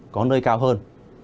có nơi cao hơn